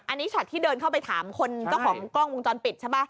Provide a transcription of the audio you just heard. อันนี้ช็อตที่เดินเข้าไปถามคนเจ้าของกล้องวงจรปิดใช่ป่ะ